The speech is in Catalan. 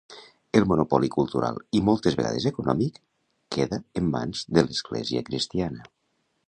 El monopoli cultural, i moltes vegades econòmic, queda en mans de l'Església cristiana.